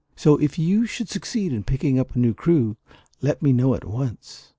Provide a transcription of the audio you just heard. So, if you should succeed in picking up a crew, let me know at once."